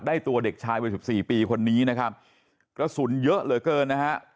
ตัวเด็กชายวัยสิบสี่ปีคนนี้นะครับกระสุนเยอะเหลือเกินนะฮะ